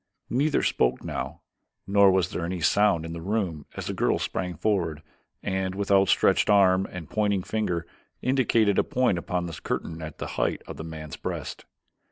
Neither spoke now, nor was there any sound in the room as the girl sprang forward and with outstretched arm and pointing finger indicated a point upon the curtain at the height of a man's breast.